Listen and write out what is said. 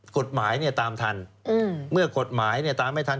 กฎหมายเนี่ยตามทันเมื่อกฎหมายเนี่ยตามไม่ทัน